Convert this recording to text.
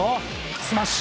スマッシュ！